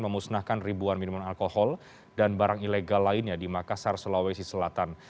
memusnahkan ribuan minuman alkohol dan barang ilegal lainnya di makassar sulawesi selatan